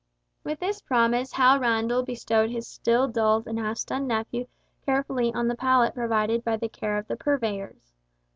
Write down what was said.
With this promise Hal Randall bestowed his still dulled and half stunned nephew carefully on the pallet provided by the care of the purveyors.